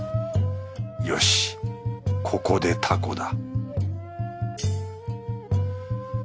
よしここでタコだ